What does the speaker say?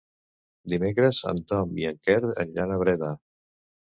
Dimecres en Tom i en Quer aniran a Breda.